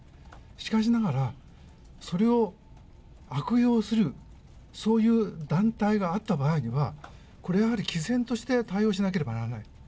しかしながら、それを悪用する、そういう団体があった場合には、これはやはりきぜんとして対応しなければならない。